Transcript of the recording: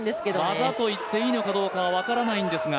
技といっていいのかどうか分からないんですが。